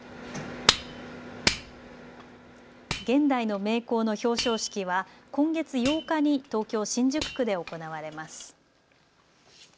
現代の名工の表彰式は今月８日に東京新宿区で行われます。